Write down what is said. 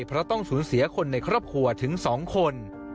เพราะต้องสูญเสียคนในครอบครัวถึง๒คน